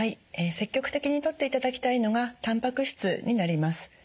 積極的にとっていただきたいのがたんぱく質になります。